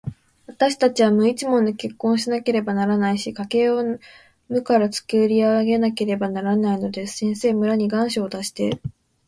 わたしたちは無一文で結婚しなければならないし、家計を無からつくり上げなければならないのです。先生、村に願書を出して、